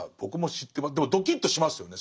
でもドキッとしますよね。